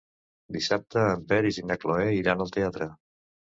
Dissabte en Peris i na Cloè iran al teatre.